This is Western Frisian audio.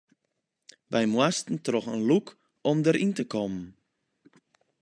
Wy moasten troch in lûk om deryn te kommen.